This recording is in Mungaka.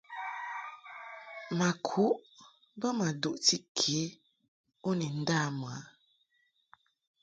Ma kuʼ bə ma duʼti ke u ni nda mɨ a.